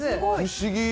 不思議。